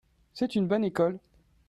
C'est une bonne école.